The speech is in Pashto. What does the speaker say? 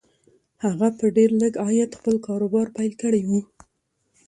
هغه په ډېر لږ عاید خپل کاروبار پیل کړی و